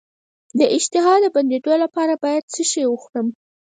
د اشتها د بندیدو لپاره باید څه شی وخورم؟